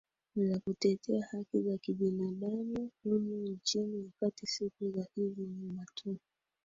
za kutetea haki za kibinadamu humu nchini wakati siku za hizi nyuma tu